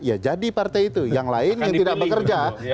ya jadi partai itu yang lain yang tidak bekerja